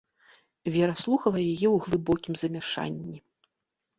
Вера слухала яе ў глыбокім замяшанні.